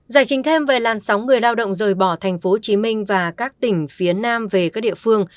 giải trình thêm về làn sóng người lao động rời bỏ tp hcm và các tỉnh phía nam về các địa phương